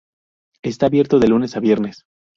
Está abierto de lunes a viernes.